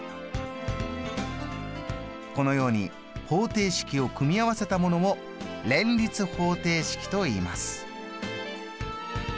このように方程式を組み合わせたものを連立方程式といいます。